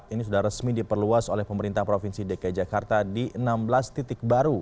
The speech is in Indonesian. ini sudah resmi diperluas oleh pemerintah provinsi dki jakarta di enam belas titik baru